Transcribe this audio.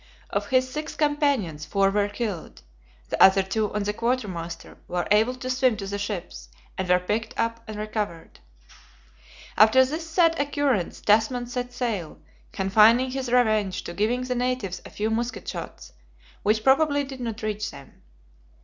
Of his six companions four were killed; the other two and the quartermaster were able to swim to the ships, and were picked up and recovered. After this sad occurrence Tasman set sail, confining his revenge to giving the natives a few musket shots, which probably did not reach them.